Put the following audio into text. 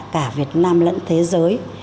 cả việt nam lẫn thế giới